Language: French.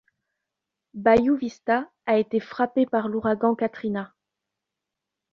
Bayou Vista a été frappée par l’ouragan Katrina.